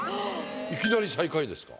いきなり最下位ですか？